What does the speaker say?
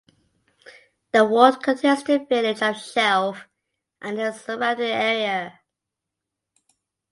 The ward contains the village of Shelf and the surrounding area.